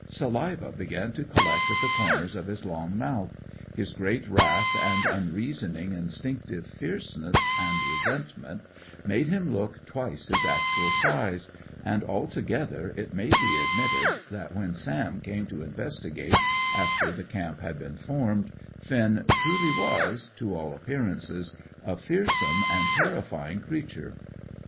Saliva began to collect at the corners of his long mouth; his great wrath and unreasoning, instinctive fierceness and resentment made him look twice his actual size; and altogether it may be admitted that when Sam came to investigate, after the camp had been formed, Finn truly was, to all appearances, a fearsome and terrifying creature.